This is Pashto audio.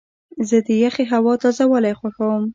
زه د یخې هوا تازه والی خوښوم.